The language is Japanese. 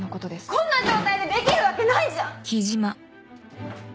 こんな状態でできるわけないじゃん！